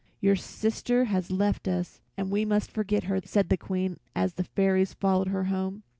"Your sister has left us, and we must forget her," said the Queen as the fairies followed her home.